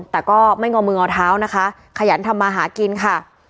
แต่ก็ไม่งอมืองอเท้านะคะขยันทำมาหากินค่ะ